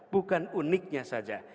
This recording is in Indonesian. bukan uniknya saja